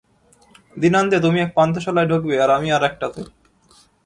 দিনান্তে তুমি এক পান্থশালায় ঢুকবে আর আমি আর-একটাতে?